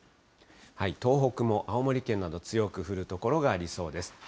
東北も、青森県など強く降る所がありそうです。